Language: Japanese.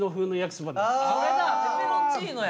それだ！ペペロンチーノや！